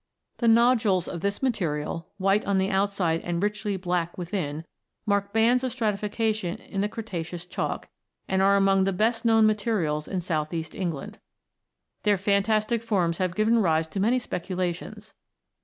The nodules of this material, white on the outside and richly black within, mark bands of stratification in the Cretaceous chalk, and are among the best known materials in south east England. Their fantastic forms have given rise to many speculations.